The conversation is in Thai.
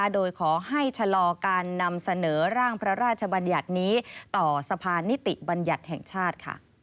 โดยขอให้ชะลอการนำเสนอร่างพระราชบัญญัตินี้ต่อสะพานนิติบัญญัติแห่งชาติ